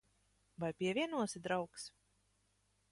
Vai pievienosi, draugs?